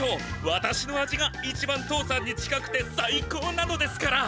わたしの味が一番父さんに近くてサイコーなのですから！